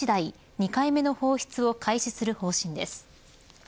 ２回目の放出を開始する方針です。